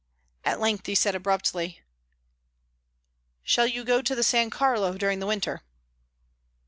At length he said abruptly: "Shall you go to the San Carlo during the winter?"